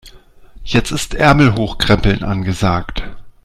Jetzt ist Ärmel hochkrempeln angesagt.